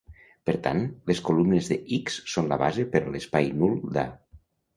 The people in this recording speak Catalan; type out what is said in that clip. Per tant, les columnes de X són la base per l'espai nul d'A.